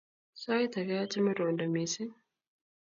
Sait ake achame rwondo missing'